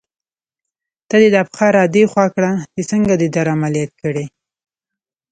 ته دې دا پښه را دې خوا کړه چې څنګه دې در عملیات کړې.